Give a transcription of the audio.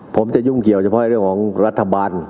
ผมจะยุ่งเกี่ยวเฉพาะเรื่องของรัฐบาล